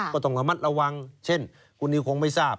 ก็ต้องระมัดระวังเช่นคุณนิวคงไม่ทราบ